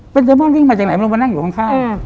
เป็นเซมอนวิ่งมาจากไหนไม่รู้มานั่งอยู่ข้าง